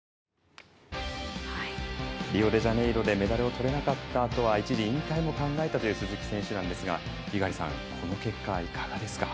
リオデジャネイロでメダルをとれなかったあとは一時引退も考えたという鈴木選手なんですが猪狩さん、この結果いかがですか？